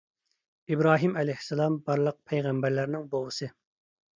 ئىبراھىم ئەلەيھىسسالام بارلىق پەيغەمبەرلەرنىڭ بوۋىسى